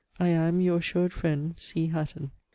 I am, your assured freind, C. HATTON.